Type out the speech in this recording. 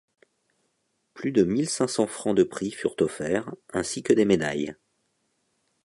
Plus de mille cinq cent francs de prix furent offerts, ainsi que des médailles.